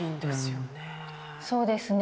そうですね。